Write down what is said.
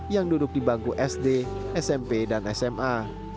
yang duduk di bangku sd smp dan sma